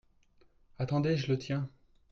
Attendez, je le tiens.